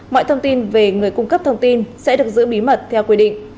mọi thông tin về người cung cấp thông tin sẽ được giữ bí mật theo quy định